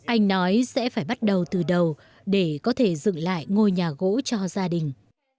anh nói sẽ phải bắt đầu từ đầu để có thể dựng lại ngôi nhà gỗ cho gia đình